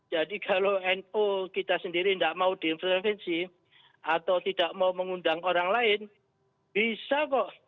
jadi kalau nu kita sendiri tidak mau diintervensi atau tidak mau mengundang orang lain bisa kok